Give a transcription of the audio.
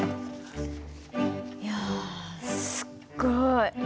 いやすっごい。